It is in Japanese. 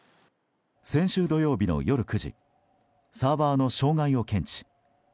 先週土曜日の夜９時サーバーの障害を検知。